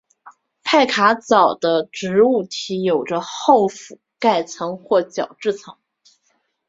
派卡藻的植物体有着厚覆盖层或角质层。